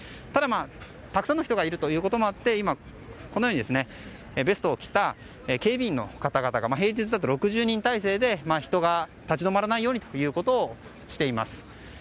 ただ、たくさんの人がいるということもあって今このようにベストを着た警備員の方々が平日だと６０人態勢で人が立ち止らないようにということをしています。